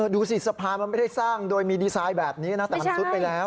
ดูสิสะพานมันไม่ได้สร้างโดยมีดีไซน์แบบนี้นะแต่มันซุดไปแล้ว